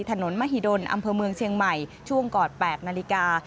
ถนนมหิดลอำเภอเมืองเชียงใหม่ช่วงก่อน๘นาฬิกา